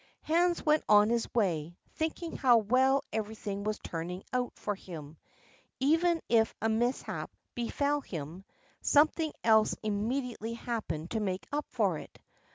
Hans went on his way, thinking how well everything was turning out for him. Even if a mishap befell him, something else immediately happened to make up for it.